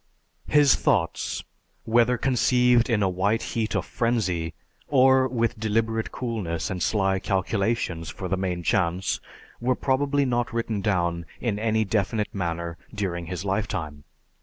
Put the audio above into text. His thoughts, whether conceived in a white heat of frenzy, or with deliberate coolness and sly calculations for the main chance, were probably not written down in any definite manner during his lifetime.